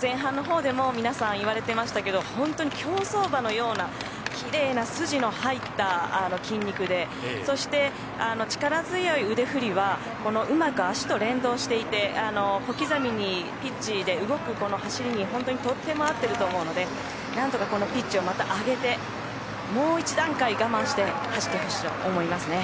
前半のほうでも皆さん、言われてましたけど本当に競走馬のようなきれいな筋の入った筋肉でそして力強い腕振りはうまく足と連動していて小刻みにピッチで動くこの走りに本当にとっても合っていると思うので何とかこのピッチをまた上げてもう一段階我慢して走ってほしいなと思いますね。